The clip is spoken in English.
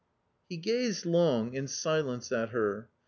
He gazed long in silence at her.